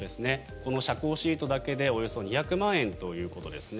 この遮光シートだけでおよそ２００万円ということですね。